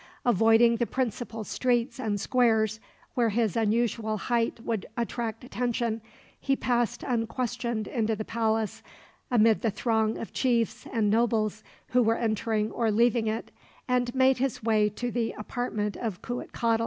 Avoiding the principal streets and squares, where his unusual height would attract attention, he passed unquestioned into the palace amid the throng of chiefs and nobles who were entering or leaving it, and made his way to the apartment of Cuitcatl.